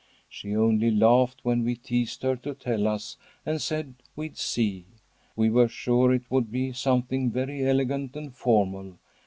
She only laughed when we teased her to tell us, and said we'd see. We were sure it would be something very elegant and formal.